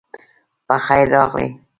پخير راغلې